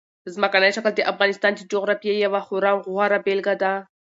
ځمکنی شکل د افغانستان د جغرافیې یوه خورا غوره بېلګه ده.